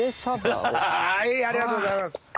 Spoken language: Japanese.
ハハハありがとうございます。